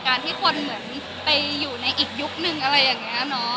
ที่คนเหมือนไปอยู่ในอีกยุคนึงอะไรอย่างนี้เนอะ